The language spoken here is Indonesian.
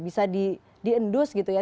bisa diendus gitu ya